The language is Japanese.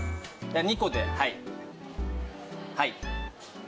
２個ではいはい。